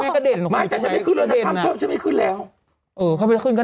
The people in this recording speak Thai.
ก็ภูมิก็ไปเครื่องบิน